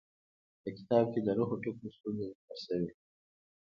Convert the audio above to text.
په کتاب کې د نهو ټکو ستونزه ذکر شوې.